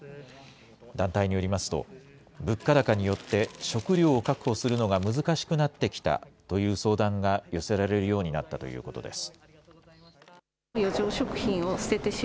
団体によりますと、物価高によって食料を確保するのが難しくなってきたという相談が寄せられるようになったということです。